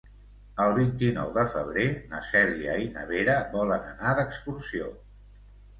El vint-i-nou de febrer na Cèlia i na Vera volen anar d'excursió.